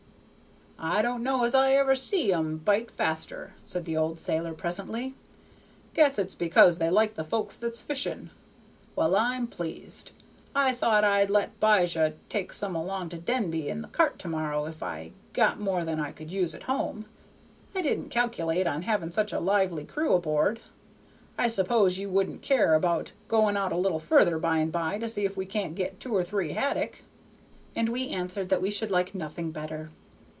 "I don't know as I ever see 'em bite faster," said the old sailor, presently; "guess it's because they like the folks that's fishing. Well, I'm pleased. I thought I'd let 'Bijah take some along to Denby in the cart to morrow if I got more than I could use at home. I didn't calc'late on having such a lively crew aboard. I s'pose ye wouldn't care about going out a little further by and by to see if we can't get two or three haddock?" And we answered that we should like nothing better.